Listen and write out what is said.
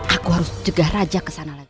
aku harus juga raja kesana lagi